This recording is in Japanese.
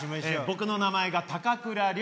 僕の名前が高倉陵。